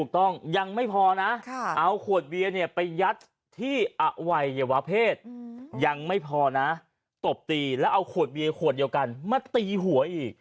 ทำแบบนี้กับมนุษย์